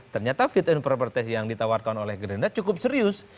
ternyata fit and proper test yang ditawarkan oleh gerindra cukup serius